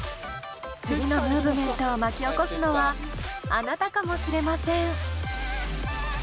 次のムーブメントを巻き起こすのはあなたかもしれません。